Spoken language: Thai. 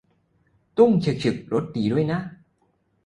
ตุ้ง ฉึก ฉึก รสดีด้วยนะ